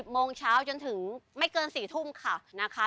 ๑๐โมงเช้าจนถึงไม่เกิน๑๘นค่ะ